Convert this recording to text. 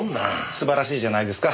素晴らしいじゃないですか。